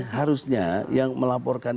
harusnya yang melaporkan